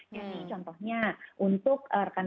jadi contohnya untuk rekaman